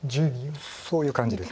そういう感じです。